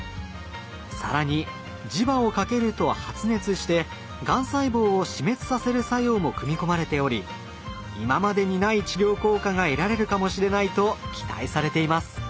更に磁場をかけると発熱してがん細胞を死滅させる作用も組み込まれており今までにない治療効果が得られるかもしれないと期待されています。